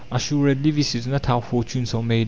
Assuredly this is not how fortunes are made.